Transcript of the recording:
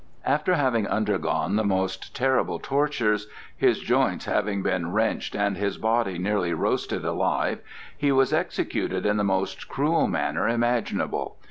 After having undergone the most terrible tortures, his joints having been wrenched and his body nearly roasted alive, he was executed in the most cruel manner imaginable.